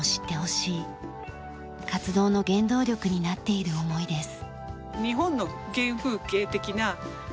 活動の原動力になっている思いです。